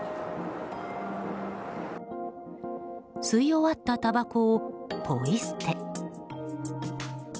吸い終わったたばこをポイ捨て。